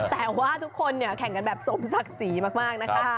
แต่ว่าทุกคนเนี่ยแข่งกันแบบสมศักดิ์ศรีมากนะคะ